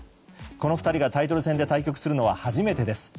この２人がタイトル戦で対局するのは初めてです。